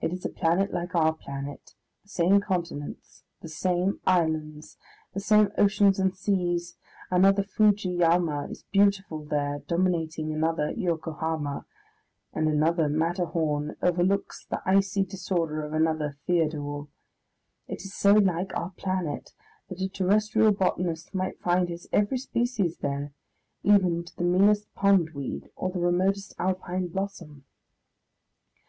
It is a planet like our planet, the same continents, the same islands, the same oceans and seas, another Fuji Yama is beautiful there dominating another Yokohama and another Matterhorn overlooks the icy disorder of another Theodule. It is so like our planet that a terrestrial botanist might find his every species there, even to the meanest pondweed or the remotest Alpine blossom....